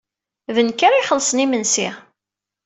D nekk ara ixellṣen imensi.